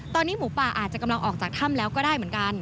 ตอนนี้หมูป่าอาจจะกำลังออกจากถ้ำแล้วก็ได้เหมือนกัน